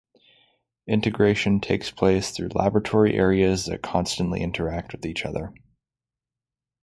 Integration takes place through laboratory areas that constantly interact with each other.